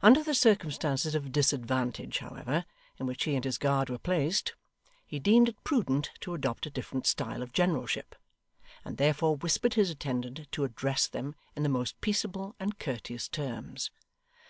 Under the circumstances of disadvantage, however, in which he and his guard were placed, he deemed it prudent to adopt a different style of generalship, and therefore whispered his attendant to address them in the most peaceable and courteous terms.